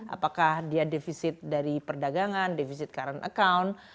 apakah dia defisit dari perdagangan defisit current account